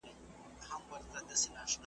اوسېدونکو افغانانو ټلیفون راته وکړ .